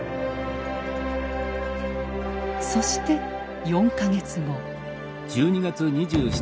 そして４か月後。